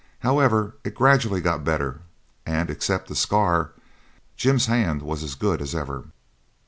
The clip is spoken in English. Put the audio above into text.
However, it gradually got better, and, except a scar, Jim's hand was as good as ever.